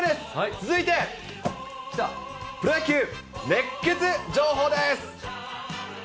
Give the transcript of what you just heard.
続いて、プロ野球熱ケツ情報です。